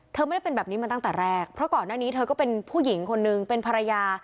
ไม่ได้เป็นแบบนี้มาตั้งแต่แรกเพราะก่อนหน้านี้เธอก็เป็นผู้หญิงคนนึงเป็นภรรยา